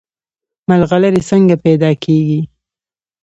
ملغلرې څنګه پیدا کیږي؟